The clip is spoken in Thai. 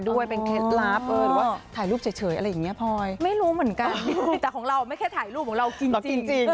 ดูแบบสวยดูเด็กตลอดเวลาเลยครับ